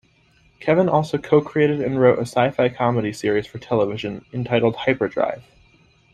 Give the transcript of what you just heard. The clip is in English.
Kevin also co-created and wrote a Sci-Fi comedy series for television entitled "Hyperdrive".